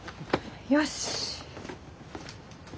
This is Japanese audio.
よし！